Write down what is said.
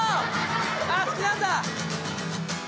ああ好きなんだ。